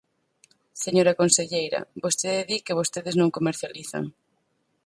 Señora conselleira, vostede di que vostedes non comercializan.